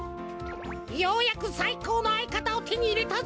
ようやくさいこうのあいかたをてにいれたぜ！